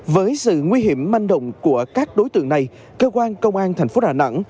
với sự nguy hiểm manh động của các đối tượng này cơ quan công an thành phố đà nẵng